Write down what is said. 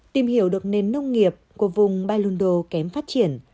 tìm hiểu được nền nông nghiệp của vùng baylundo kém phát triển